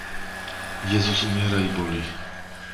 Jezus umiera i boli.